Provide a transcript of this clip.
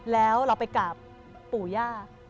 แล้วเราไปกราบปู่ย่า